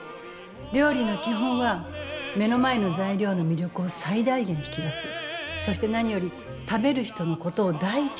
料理の基本は目の前の材料の魅力を最大限引き出すそして何より食べる人のことを第一に考えること。